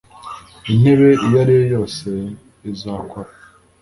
intebe iyo ari yo yose izakora